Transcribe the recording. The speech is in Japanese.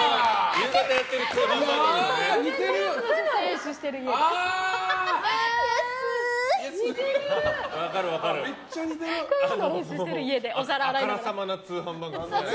夕方やってる通販番組のね。